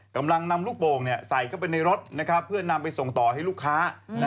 กำลังนำลูกโป่งใส่เข้าไปในรถเพื่อนำไปส่งต่อให้ลูกค้า